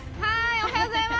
おはようございます。